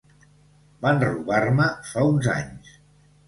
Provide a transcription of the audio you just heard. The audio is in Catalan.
Van robar-me fa uns anys.